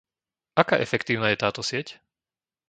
Aká efektívna je táto sieť?